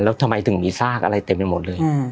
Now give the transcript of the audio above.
แล้วทำไมถึงมีซากอะไรเต็มไปหมดเลย